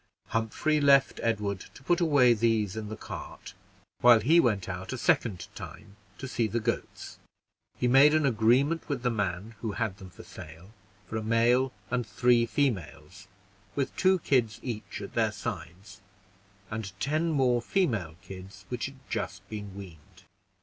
Humphrey left Edward to put away these in the cart, while he went out a second time to see the goats; he made an agreement with the man who had them for sale, for a male and three females with two kids each at their sides, and ten more female kids which had just been weaned.